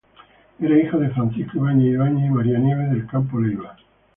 Era hijo de Francisco Ibáñez Ibáñez y María Nieves del Campo Leiva.